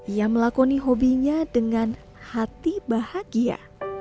ia melakoni hobinya dengan hati bahagia